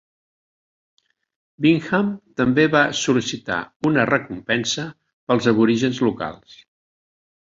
Bingham també va sol·licitar una recompensa per als aborígens locals.